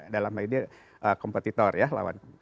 dalam hal ini kompetitor ya lawan